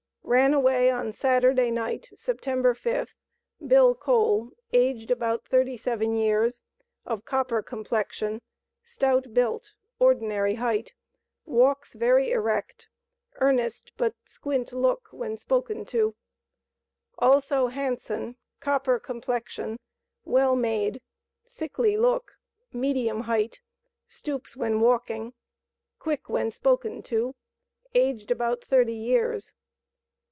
Ran away on Saturday night, September 5th, Bill Cole, aged about 37 years, of copper complexion, stout built, ordinary height, walks very erect, earnest but squint look when spoken to. Also, Hanson, copper complexion, well made, sickly look, medium height, stoops when walking, quick when spoken to; aged about 30 years.